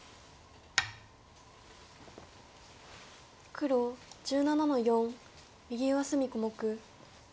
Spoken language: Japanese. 黒１７の四右上隅小目。